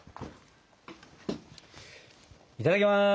いただきます。